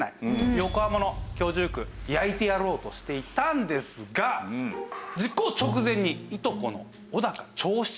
横浜の居住区焼いてやろうとしていたんですが実行直前にいとこの尾高長七郎